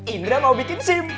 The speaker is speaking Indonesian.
indra mau bikin sim